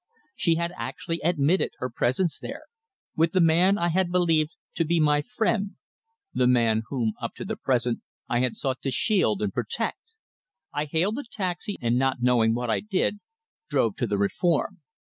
She had actually admitted her presence there with the man I had believed to be my friend, the man, whom, up to the present, I had sought to shield and protect! I hailed a taxi, and not knowing what I did, drove to the Reform.